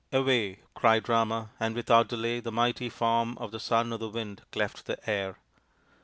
" Away !" cried Rama, and without delay the mighty form of the Son of the Wind cleft the air.